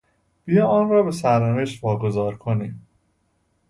بیا آن را به سرنوشت واگذار کنیم.